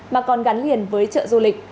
mà còn gắn liền với chợ du lịch